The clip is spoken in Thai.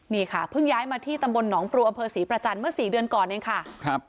นี่ค่ะเพิ่งย้ายมาที่ตำบลหนองปรัวอำเภอศรีประจันทร์เมื่อสี่เดือนก่อนเองค่ะครับ